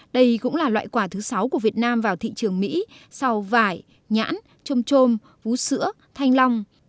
đây cũng là loại quả thứ sáu của việt nam vào thị trường mỹ sau vải nhãn chôm chôm hú sữa thanh long